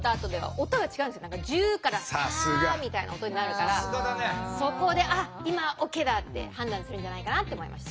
「ジュー」から「シャー」みたいな音になるからそこで「あっ今オッケーだ」って判断するんじゃないかなって思いました。